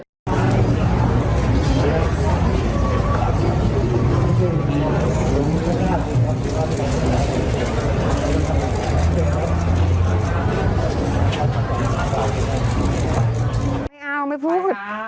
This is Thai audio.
ไม่เอาไม่พูด